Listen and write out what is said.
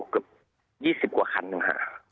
ก็๒๐กว่าคันนึงค่ะ